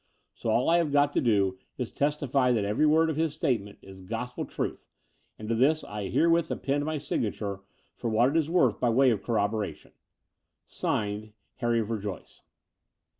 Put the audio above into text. So all I have got to do is to testify that every word of his statement is gospel truth ; and to this I herewith append my signature for what it is worth by way of corroboration. (Signed) Harry Verjoyce.